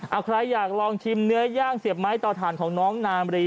เอาใครอยากลองชิมเนื้อย่างเสียบไม้ต่อถ่านของน้องนามรี